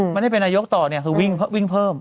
ไม่ได้เป็นนายกต่อเนี่ยคือวิ่งเพิ่ม